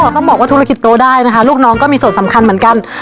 ต้องบอกว่าธุรกิจโตได้นะคะลูกน้องก็มีส่วนสำคัญเหมือนกัน